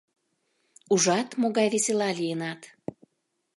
— Ужат, могай весела лийынат.